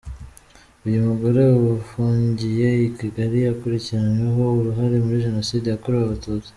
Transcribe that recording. Uyu mugore ubu ufungiye i Kigali akurikiranyweho uruhare muri Jenoside yakorewe Abatutsi.